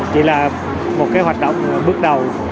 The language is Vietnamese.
chỉ là một cái hoạt động bước đầu